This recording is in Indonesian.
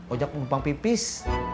ojak mengumpang pipis